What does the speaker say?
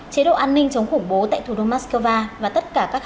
chế độ an ninh chống khủng bố tại thủ đô moscow và tất cả các hạn chế đều đã được dỡ bỏ